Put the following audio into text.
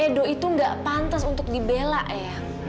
edo itu nggak pantas untuk dibela eang